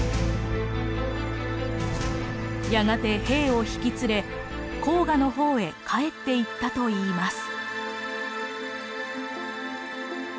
やがて兵を引き連れ黄河の方へ帰っていったといいます。